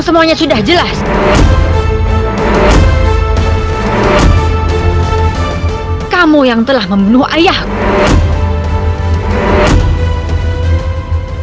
tetapkan padai alémah dari yang berdiwal di perjalananencies